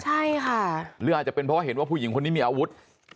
ใช่ค่ะหรืออาจจะเป็นเพราะเห็นว่าผู้หญิงคนนี้มีอาวุธ